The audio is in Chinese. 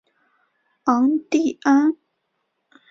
昂蒂安。